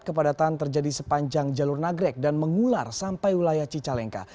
kepadatan terjadi sepanjang jalur nagrek dan mengular sampai wilayah cicalengka